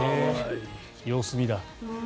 様子見だ。